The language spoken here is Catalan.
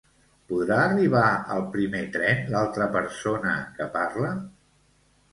Podrà arribar al primer tren l'altra persona que parla?